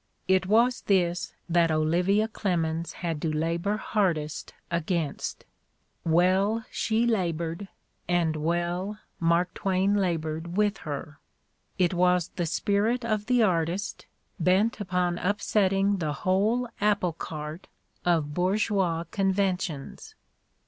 It was this that Olivia Clemens had to labor hardest against." "Well she labored, and well Mark Twain labored with her ! It was the spirit of the artist, bent upon upsetting the whole apple cart of bourgeois conventions.